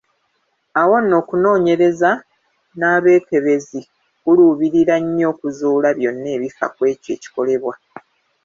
Awo nno okunooneyereza nabwekebezzi kuluubirira nnyo okuzuula byonna ebifa kw'ekyo ekikolebwa.